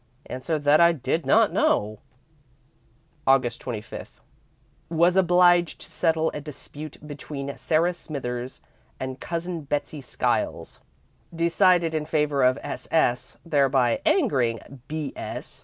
Answered that I did not know. "Aug. 25. Was obliged to settle a dispute between Sarah Smithers and Cousin Betsey Skiles. Decided in favour of S. S., thereby angering B. S.